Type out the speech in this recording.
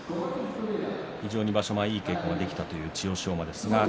非常に場所前いい稽古ができたという千代翔馬